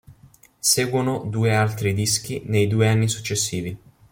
Seguono due altri dischi nei due anni successivi.